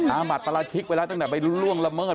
หมัดปราชิกไปแล้วตั้งแต่ไปล่วงละเมิด